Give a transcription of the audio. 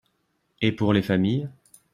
Et pour les familles